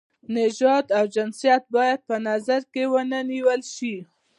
نژاد او جنسیت باید په نظر کې ونه نیول شي.